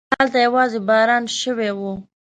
هلته يواځې باران شوی و.